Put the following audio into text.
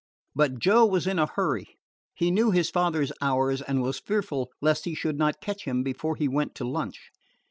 But Joe was in a hurry. He knew his father's hours, and was fearful lest he should not catch him before he went to lunch.